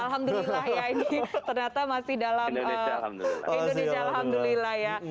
alhamdulillah ya ini ternyata masih dalam indonesia alhamdulillah ya